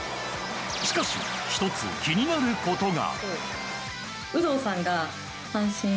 しかし、１つ気になることが。